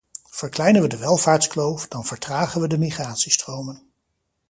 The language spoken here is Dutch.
Verkleinen we de welvaartskloof, dan vertragen we de migratiestromen.